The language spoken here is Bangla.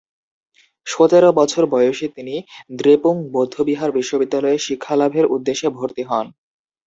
সতেরো বছর বয়সে তিনি দ্রেপুং বৌদ্ধবিহার বিশ্ববিদ্যালয়ে শিক্ষালাভের উদ্দেশ্যে ভর্তি হন।